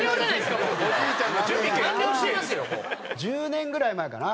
１０年ぐらい前かな。